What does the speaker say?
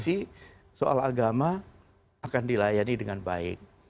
ada diskusi soal agama akan dilayani dengan baik